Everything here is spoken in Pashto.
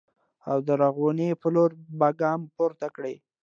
او د رغونې په لور به ګام پورته کړي